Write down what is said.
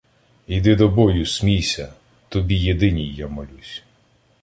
Йди до бою, смійся! Тобі єдиній я молюсь.